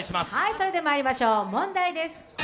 それではまいりましょう問題です。